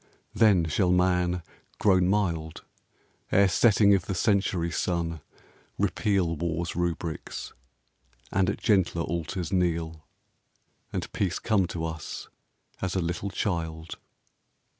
Then shall man, grown mild, Ere setting of the century sun repeal War's rubrics, and at gentler altars kneel, And Peace come to us as a little child."